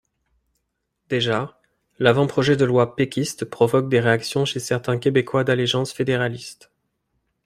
Déjà, l'avant-projet de loi péquiste provoque des réactions chez certains Québécois d'allégeance fédéraliste.